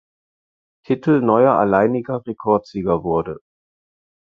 Titel neuer alleiniger Rekordsieger wurde.